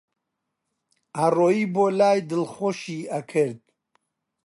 ئەڕۆیی بۆلای دڵخۆشی ئەکرد